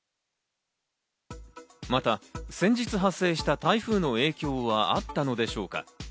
また先日発生した台風の影響はあったのでしょうか？